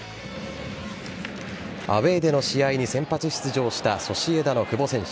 アウエーでの試合に先発出場したソシエダの久保選手。